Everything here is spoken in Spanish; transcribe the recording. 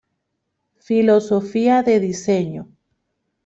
Filosofía de diseño.